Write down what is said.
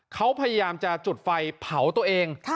เขาพยายามจะจุดไฟเผาตัวเอง